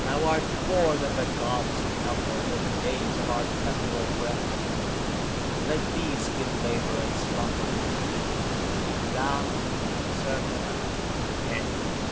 Thou art more than the Gods who number the days of our temporal breath: For these give labour and slumber; but thou, Proserpina, death.